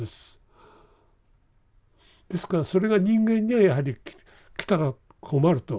ですからそれが人間にはやはり来たら困ると。